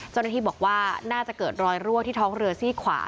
เจ้าหน้าที่บอกว่าน่าจะเกิดรอยรั่วที่ท้องเรือซี่ขวา